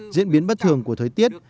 diễn biến bất thường của thời tiết